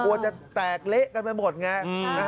กลัวจะแตกเละกันไปหมดไง